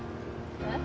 えっ？